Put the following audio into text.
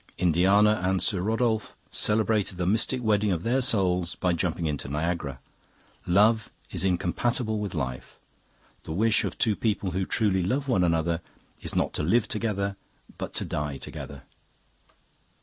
Indiana and Sir Rodolphe celebrated the mystic wedding of their souls by jumping into Niagara. Love is incompatible with life. The wish of two people who truly love one another is not to live together but to die together.